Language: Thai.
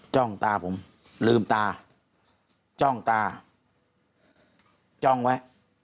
จ้องตาผมลืมตาจ้องตาจ้องไว้